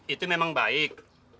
itu memang baik